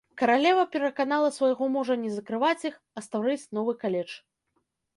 Каралева пераканала свайго мужа не закрываць іх, а стварыць новы каледж.